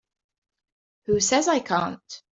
Who says I can't?